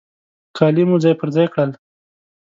کالي مو ځای پر ځای کړل.